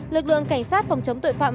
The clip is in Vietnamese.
lực lượng cảnh sát phòng chống tội phạm